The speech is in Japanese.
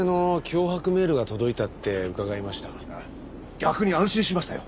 逆に安心しましたよ。